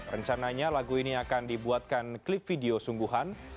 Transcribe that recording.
rencananya lagu ini akan dibuatkan klip video sungguhan